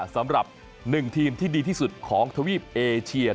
สำหรับ๑ทีมที่ดีที่สุดของทวีปเอเชีย